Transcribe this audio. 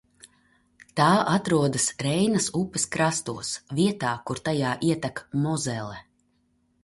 Tā atrodas Reinas upes krastos, vietā, kur tajā ietek Mozele.